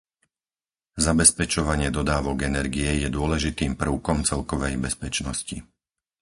Zabezpečovanie dodávok energie je dôležitým prvkom celkovej bezpečnosti.